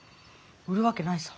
売るわけないさ。